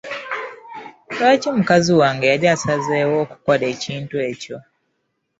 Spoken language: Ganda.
Lwaki mukazi wange yali asazeewo okukola ekintu ekyo?